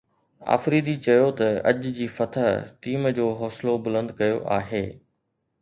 آفريدي چيو ته اج جي فتح ٽيم جو حوصلو بلند ڪيو آهي